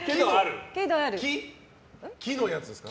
木のやつですか？